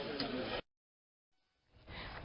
คนที่อยู่ก็สู้ชีวิตต่อไปนะ